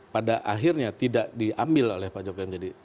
pada akhirnya tidak diambil oleh pak jokowi menjadi